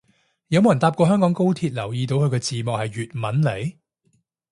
有冇人搭過香港高鐵留意到佢個字幕係粵文嚟